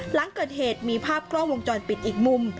หลังเกิดเหตุมีภาพกล้องวงจรปิดอีกมุม